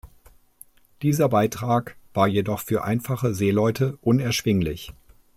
Dieser Beitrag war jedoch für einfache Seeleute unerschwinglich.